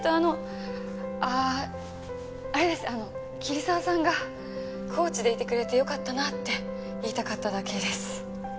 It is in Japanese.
桐沢さんがコーチでいてくれてよかったなって言いたかっただけです。